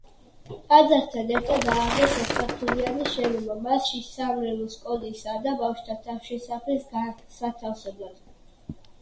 ტაძართან ერთად ააგეს ორსართულიანი შენობა მასში სამრევლო სკოლისა და ბავშვთა თავშესაფრის განსათავსებლად.